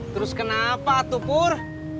terus kenapa atuh pur